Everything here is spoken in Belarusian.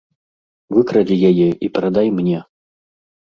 Выкрадзі яе і перадай мне.